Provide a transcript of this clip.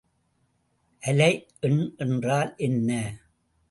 அலைஎண் என்றால் என்ன?